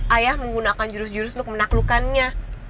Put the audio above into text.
ayah menggunakan jurus jurus untuk menaklukkannya